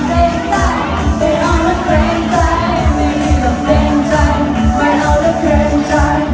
ไม่ดีกว่าเกรงใจไม่เอาและเกรงใจ